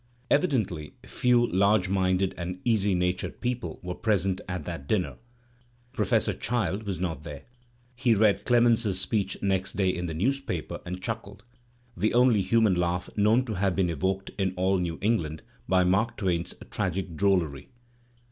Evidently few large minded and easy natured people were present at that dinner. Professor Child was not there. He read Clemens's speech next day in the newspaper and chuckled — the only human laugh known to have been evoked in all New England by Mark Twain's tragic drollery.